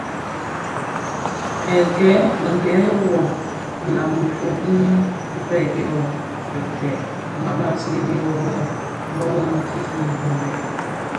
Merke wu nlan dhifombi di kibèè dyo bigtèn nghaghasiyen bon bë nki di Mbono.